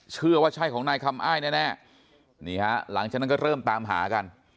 เชื่อว่าใช่ของนายคำอ้ายแน่นี่ฮะหลังจากนั้นก็เริ่มตามหากัน